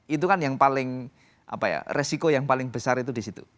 itu kan yang paling resiko yang paling besar itu di situ